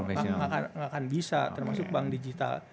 nggak akan bisa termasuk bank digital